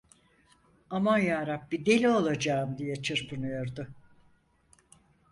"Aman yarabbi deli olacağım!" diye çırpınıyordu.